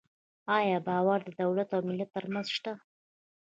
آیا باور د دولت او ملت ترمنځ شته؟